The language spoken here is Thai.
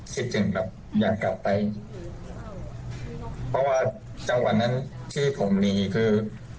คิดถึงแบบอยากกลับไปเพราะว่าจังหวะนั้นที่ผมหนีคือ